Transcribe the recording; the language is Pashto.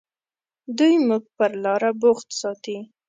دوی موږ پر لاره بوخت ساتي.